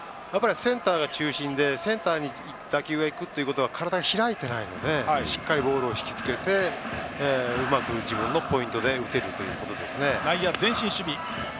センターが中心でセンターに打球が行くということは体が開いていないのでしっかりボールを引きつけてうまく自分のポイントで打てるというところですね。